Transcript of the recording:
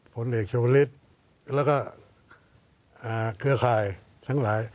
ผลเหล็กชาวลิสต์แล้วก็เกลือไข่ทั้งหลาย